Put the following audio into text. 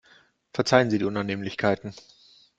Verzeihen Sie die Unannehmlichkeiten.